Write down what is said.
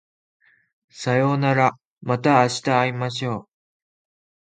さようならまた明日会いましょう